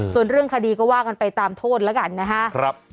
ส่วนเรื่องคดีก็ว่ากันไปตามโทษแล้วกันนะครับ